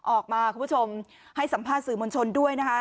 ออกมาคุณผู้ชมให้สัมภาษณ์สื่อมณชนด้วย